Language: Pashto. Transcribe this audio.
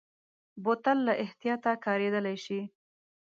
بوتل له احتیاطه کارېدلی شي.